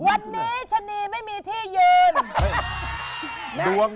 วันนี้ชะนีไม่มีที่ยืน